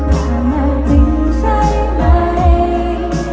ความที่รู้แบบไหน